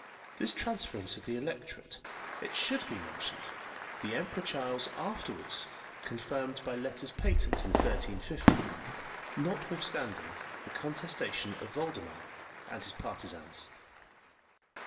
This transference of the electorate, it should be mentioned, the Emperor Charles afterwards confirmed by letters patent in 1350, notwithstanding the contestation of Voldemar and his partisans.